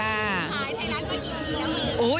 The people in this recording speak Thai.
ขายไทรัฐเข้าไปกี่ปีแล้วฮะ